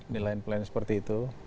nilain plan seperti itu